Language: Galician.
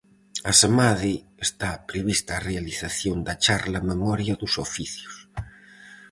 Asemade, está prevista a realización da charla Memoria dos Oficios.